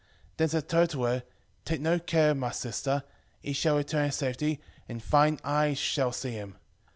5:20 Then said Tobit to her, Take no care, my sister; he shall return in safety, and thine eyes shall see him.